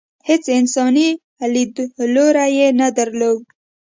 هېڅ انساني لیدلوری یې نه درلود.